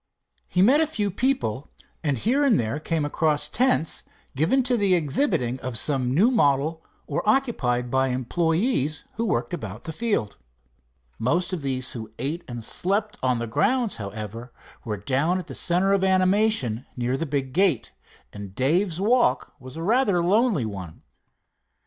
He met a few people and here and there came across tents given to the exhibiting of some new model, or occupied by employees who worked about the field. Most of those who ate and slept on the grounds, however, were down at the center of animation near the big gate, and Dave's walk was a rather lonely one.